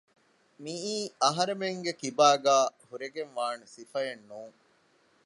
މިއީ އަހަރެމެންގެކިބާގައި ހުރެގެންވާނެ ސިފައެއްނޫން